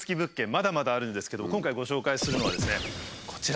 まだまだあるんですけども今回ご紹介するのはですねこちら。